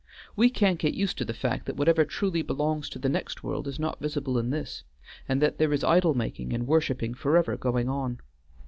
"We can't get used to the fact that whatever truly belongs to the next world is not visible in this, and that there is idol making and worshiping forever going on.